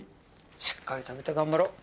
しっかり食べて頑張ろう。